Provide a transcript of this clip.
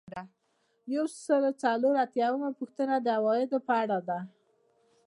یو سل او څلور اتیایمه پوښتنه د عوایدو په اړه ده.